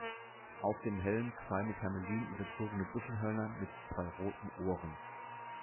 Auf dem Helm zwei mit Hermelin überzogene Büffelhörner mit zwei roten Ohren.